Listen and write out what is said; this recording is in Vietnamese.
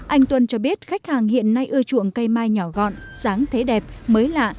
anh tuân cho biết khách hàng hiện nay ưa chuộng cây mai nhỏ gọn sáng thế đẹp mới lạ